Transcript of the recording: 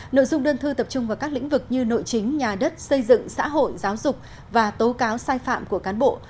nội dung đơn thư tập trung vào các lĩnh vực như nội chính nhà đất xây dựng xã hội giáo dục và tố cáo sai phạm của cán bộ